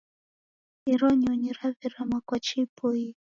Iro nyonyi raw'erama kwa chia ipoie.